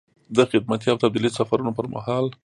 د خدمتي او تبدیلي سفرونو پر مهال.